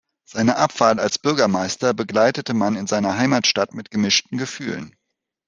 Seine Abwahl als Bürgermeister begleitete man in seiner Heimatstadt mit gemischten Gefühlen.